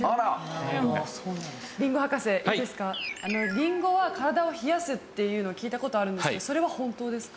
りんごは体を冷やすっていうのを聞いた事あるんですけどそれは本当ですか？